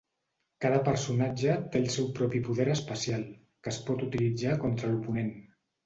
Cada personatge té el seu propi poder especial, que es pot utilitzar contra l'oponent.